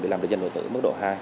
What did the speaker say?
để làm được danh điện tử mức độ hai